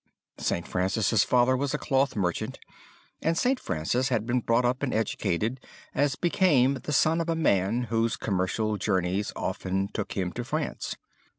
St. Francis' father was a cloth merchant and St. Francis had been brought up and educated as became the son of a man whose commercial journeys often took him to France.